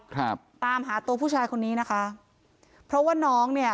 ครับตามหาตัวผู้ชายคนนี้นะคะเพราะว่าน้องเนี้ย